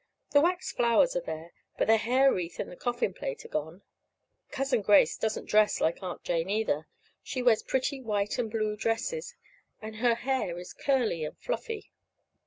The wax flowers are there, but the hair wreath and the coffin plate are gone. Cousin Grace doesn't dress like Aunt Jane, either. She wears pretty white and blue dresses, and her hair is curly and fluffy.